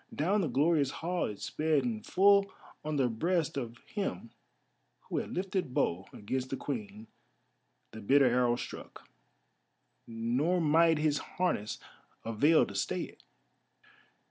Down the glorious hall it sped, and full on the breast of him who had lifted bow against the Queen the bitter arrow struck, nor might his harness avail to stay it.